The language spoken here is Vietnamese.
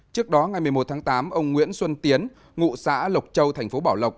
trước đó ngày một mươi một tháng tám ông nguyễn xuân tiến ngụ xã lộc châu tp bảo lộc